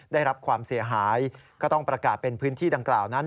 ได้รับความเสียหายก็ต้องประกาศเป็นพื้นที่ดังกล่าวนั้น